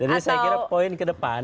jadi saya kira poin ke depan